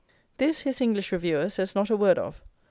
This his English reviewer says not a word of.